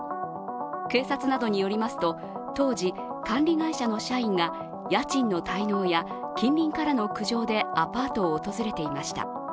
警察などによりますと、当時、管理会社の社員が家賃の滞納や近隣からの苦情でアパートを訪れていました。